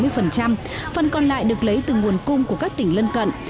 phần còn lại được lấy từ nguồn cung của các tỉnh lân cận